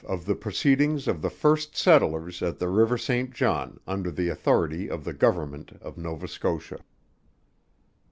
_Of the proceedings of the first settlers at the River St. John, under the authority of the Government of Nova Scotia.